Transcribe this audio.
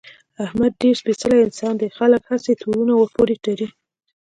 احمد ډېر سپېڅلی انسان دی، خلک هسې تورونه ورپورې تړي.